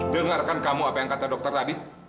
dengarkan kamu apa yang kata dokter tadi